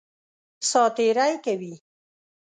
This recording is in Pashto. سات تېری کوي.